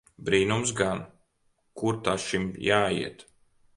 Brīnums gan! Kur ta šim jāiet!